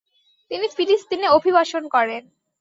তিনি ফিলিস্তিনে অভিবাসন করেন।